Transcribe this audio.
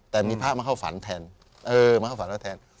แต่มีพระมาเข้าฝันแทนเออมาเข้าฝันแล้วแทน